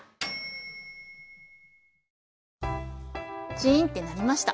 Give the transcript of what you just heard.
チーンって鳴りました！